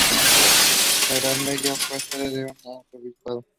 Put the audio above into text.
En la Edad Media fue sede de un arzobispado.